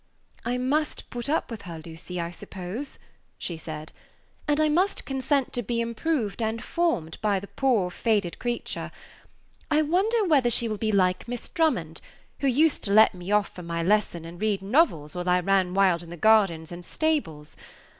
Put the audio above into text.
"I must put up with her, Lucy, I suppose," she said, "and I must consent to be improved and formed by the poor, faded creature. I wonder whether she will be like Miss Drummond, who used to let me off from my lesson and read novels while I ran wild in the gardens and stables.